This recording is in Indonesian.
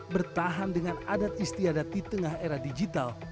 bertahan dengan adat istiadat di tengah era digital